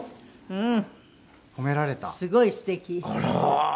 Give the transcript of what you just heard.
うん。